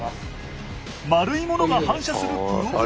丸いものが反射するプログラムのみ。